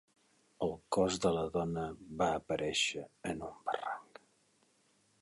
El cos de la dona va aparèixer en un barranc.